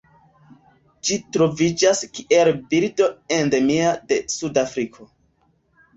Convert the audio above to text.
Ĝi troviĝas kiel birdo endemia de Sudafriko.